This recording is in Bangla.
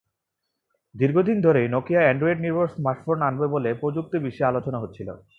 দীর্ঘদিন ধরেই নকিয়া অ্যান্ড্রয়েডনির্ভর স্মার্টফোন আনবে বলে প্রযুক্তি বিশ্বে আলোচনা হচ্ছিল।